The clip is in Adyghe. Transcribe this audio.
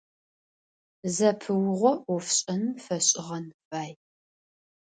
Зэпыугъо ӏофшӏэным фэшӏыгъэн фай.